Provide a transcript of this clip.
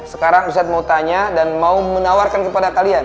sekarang ustadz mau tanya dan beri jawabannya adalah